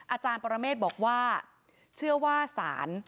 อาจารย์ปรเมฆบอกว่าเชื่อว่าศาล